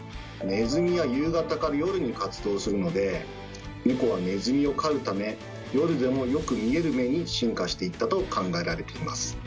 ネズミは夕方から夜に活動するのでネコはネズミを狩るため夜でもよく見える目に進化していったと考えられています。